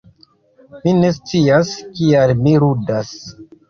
Mi ne scias kial mi ludas